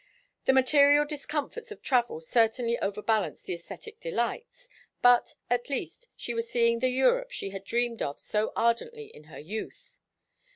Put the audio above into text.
The material discomforts of travel certainly overbalanced the æsthetic delights, but, at least, she was seeing the Europe she had dreamed of so ardently in her youth.